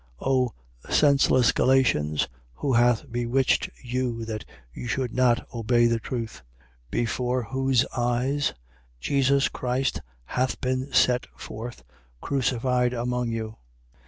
3:1. O senseless Galatians, who hath bewitched you that you should not obey the truth: before whose eyes Jesus Christ hath been set forth, crucified among you?